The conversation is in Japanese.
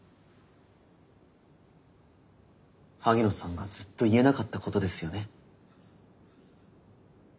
萩野さんがずっと言えなかったことですよね？